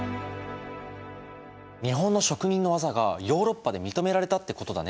日本の職人の技がヨーロッパで認められたってことだね。